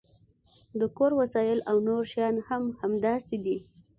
د کور وسایل او نور شیان هم همداسې دي